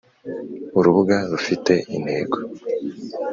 urubuga rufite intego